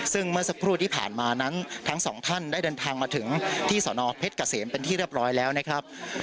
ซึ่งเมื่อสักครู่ที่ผ่านมานั้นทั้งสองท่านได้เดินทางมาถึงที่สนเพชรเกษมเป็นที่เรียบร้อยแล้วนะครับ